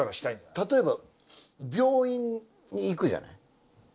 例えば病院に行くじゃない。